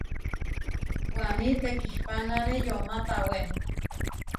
Waní tekihpánare yomá tawé.